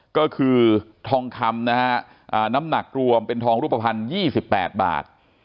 ก็คือทองคำนะฮะน้ำหนักรวมเป็นทองรูปภัณฑ์๒๘บาท